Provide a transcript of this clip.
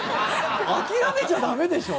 諦めちゃダメでしょ。